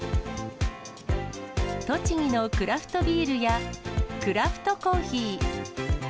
栃木のクラフトビールやクラフトコーヒー。